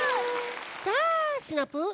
さあシナプー